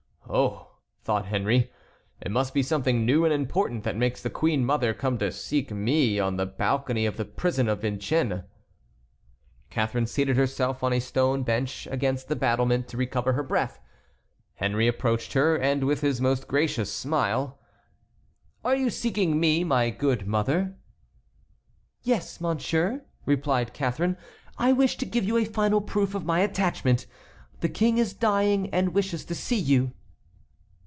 "Oh!" thought Henry, "it must be something new and important that makes the queen mother come to seek me on the balcony of the prison of Vincennes." Catharine seated herself on a stone bench against the battlement to recover her breath. Henry approached her, and with his most gracious smile: "Are you seeking me, my good mother?" "Yes, monsieur," replied Catharine, "I wish to give you a final proof of my attachment. The King is dying and wishes to see you."